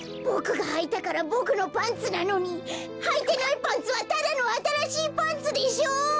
ボクがはいたからボクのパンツなのにはいてないパンツはただのあたらしいパンツでしょう！